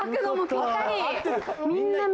みんな右。